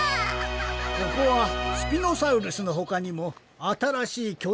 ここはスピノサウルスのほかにもあたらしいきょ